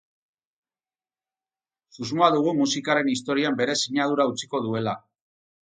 Susmoa dugu musikaren historian bere sinadura utziko duela.